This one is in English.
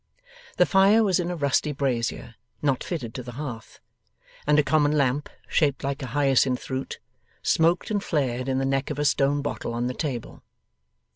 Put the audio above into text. The fire was in a rusty brazier, not fitted to the hearth; and a common lamp, shaped like a hyacinth root, smoked and flared in the neck of a stone bottle on the table.